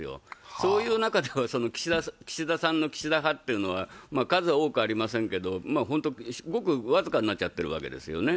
そういう中では岸田さんの岸田派というのは数は多くありませんがごく僅かになっちゃっているわけですよね。